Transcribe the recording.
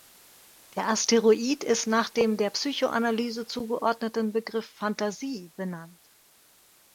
Der Asteroid ist nach dem der Psychoanalyse zugeordneten Begriff Phantasie benannt.